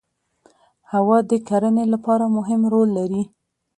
هوا د کرنې لپاره مهم رول لري